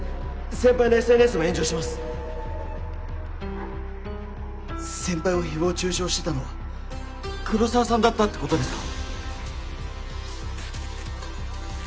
先輩のＳＮＳも炎上してま先輩を誹謗中傷してたのは黒澤さんだったってことですか！？